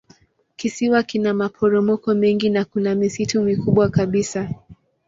Kisiwa kina maporomoko mengi na kuna misitu mikubwa kabisa.